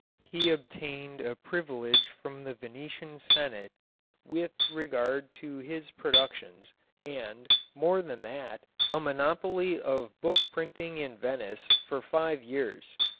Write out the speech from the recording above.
He obtained a privilege from the Venetian Senate with regard to his productions, and, more than that, a monopoly of book printing in Venice for five years.